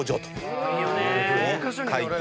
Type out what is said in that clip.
すごいよね。